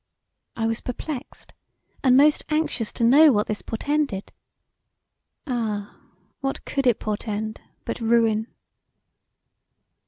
I was perplexed, and most anxious to know what this portended; ah, what could it po[r]tend but ruin!